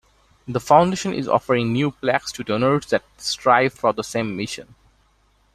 The foundation is offering new plaques to donors that strive for the same mission.